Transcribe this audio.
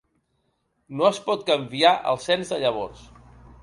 No es pot canviar el cens de llavors.